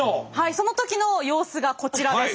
その時の様子がこちらです。